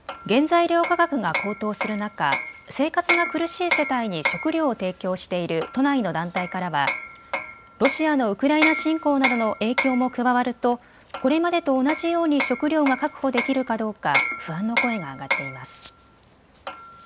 原材料価格が高騰する中、生活が苦しい世帯に食料を提供している都内の団体からはロシアのウクライナ侵攻などの影響も加わるとこれまでと同じように食料が確保できるかどうか不安の声が上がっています。